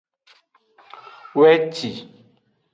Weci.